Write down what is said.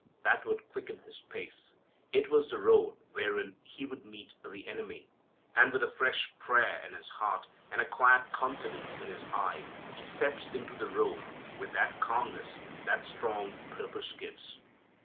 That would quicken His pace. It was the road wherein He would meet the enemy. And with a fresh prayer in His heart and a quiet confidence in His eye He steps into the road with that calmness that strong purpose gives.